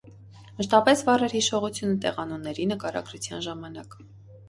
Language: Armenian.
Մշտապես վառ էր հիշողությունը տեղանունների նկարագրության ժամանակ։